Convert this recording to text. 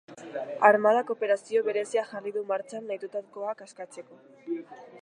Armadak operazio berezia jarri du martxan nahitutakoak askatzeko.